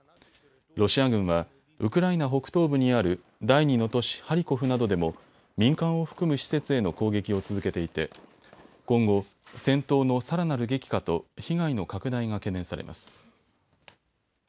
ロシア軍はウクライナ北東部にある第２の都市、ハリコフなどでも民間を含む施設への攻撃を続けていて今後、戦闘のさらなる激化と被害の拡大が懸念されます。